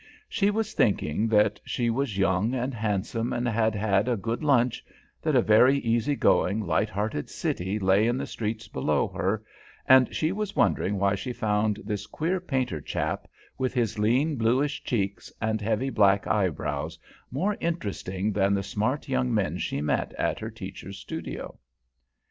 She was thinking that she was young and handsome and had had a good lunch, that a very easy going, light hearted city lay in the streets below her; and she was wondering why she found this queer painter chap, with his lean, bluish cheeks and heavy black eyebrows, more interesting than the smart young men she met at her teacher's studio.